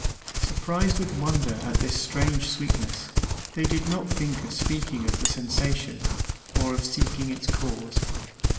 Surprised with wonder at this strange sweetness, they did not think of speaking of the sensation or of seeking its cause.